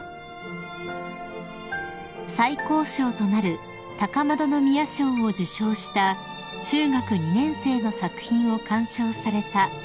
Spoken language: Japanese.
［最高賞となる高円宮賞を受賞した中学２年生の作品を鑑賞された久子さま］